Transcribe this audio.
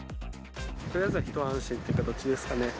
とりあえずは一安心という形ですかね。